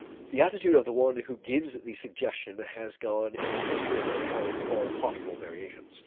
The attitude of the one who gives the suggestion has gone in the history of mankind through all possible variations.